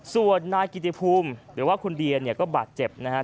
ส่วนนายกิติภูมิหรือว่าคุณเดียเนี่ยก็บาดเจ็บนะครับ